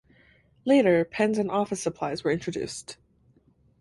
Later, pens and office supplies were introduced.